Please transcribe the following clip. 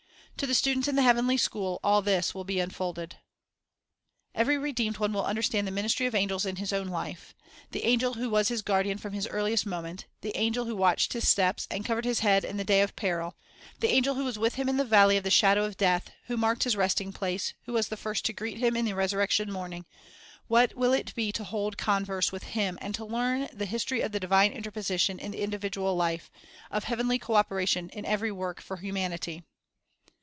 To the students in the heavenly school, all this will be unfolded. Every redeemed one will understand the ministry of angels in his own life. The angel who was his guardian from his earliest moment; the angel who watched his steps, and covered his head in the clay of peril; the angel who was with him in the valley of the shadow of death, who marked his resting place, who was the first to greet him in the resurrection morning, — what will it be to hold converse with him, and to learn the history of divine interposition in the individual life, of heavenly co operation in every work for humanity!